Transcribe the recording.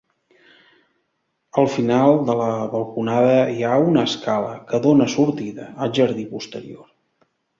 Al final de la balconada hi ha una escala que dóna sortida al jardí posterior.